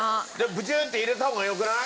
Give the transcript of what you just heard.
ブチュッて入れた方がよくない？